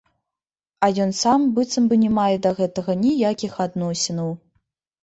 А ён сам быццам бы не мае да гэтага ніякіх адносінаў.